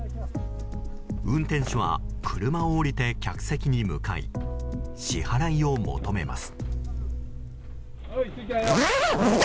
運転手は車を降りて客席に向かい支払いを求めます。